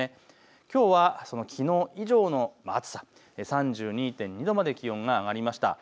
きょうはきのう以上の暑さ３２．２度まで気温が上がりました。